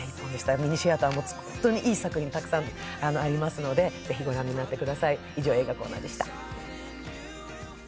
ミニシアターも本当にいい作品たくさんありますのでぜひご覧になってください。